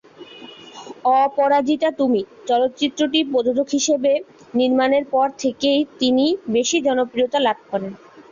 অপরাজিতা তুমি চলচ্চিত্রটি প্রযোজক হিসাবে নির্মাণের পর থেকেই তিনি বেশি জনপ্রিয়তা লাভ করেন।